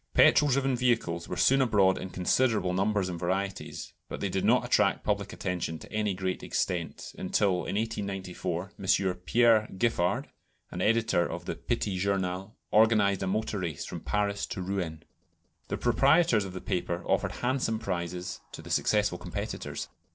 Petrol driven vehicles were soon abroad in considerable numbers and varieties, but they did not attract public attention to any great extent until, in 1894, M. Pierre Giffard, an editor of the Petit Journal, organised a motor race from Paris to Rouen. The proprietors of the paper offered handsome prizes to the successful competitors.